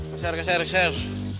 kasih air kasih air kasih air